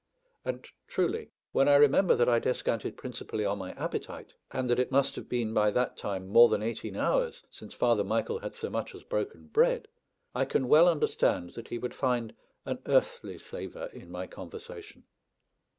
And truly, when I remember that I descanted principally on my appetite, and that it must have been by that time more than eighteen hours since Father Michael had so much as broken bread, I can well understand that he would find an earthly savour in my conversation.